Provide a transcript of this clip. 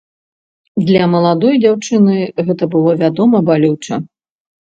Для маладой дзяўчыны гэта было, вядома, балюча.